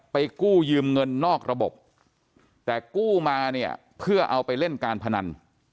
กู้ยืมเงินนอกระบบแต่กู้มาเนี่ยเพื่อเอาไปเล่นการพนัน